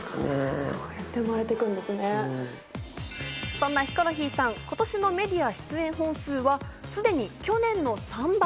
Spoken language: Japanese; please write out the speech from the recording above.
そんなヒコロヒーさん、今年のメディア出演本数はすでに去年の３倍。